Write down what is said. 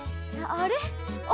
あれ？